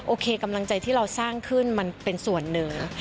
โอเคกำลังใจที่เราสร้างขึ้นมันเป็นส่วนหนึ่ง